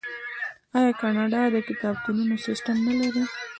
آیا کاناډا د کتابتونونو سیستم نلري؟